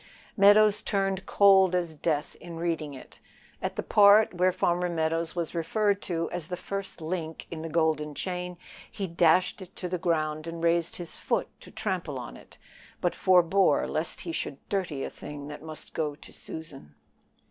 Meadows turned cold as death in reading it. At the part where Farmer Meadows was referred to as the first link in the golden chain, he dashed it to the ground and raised his foot to trample on it, but forbore lest he should dirty a thing that must go to Susan.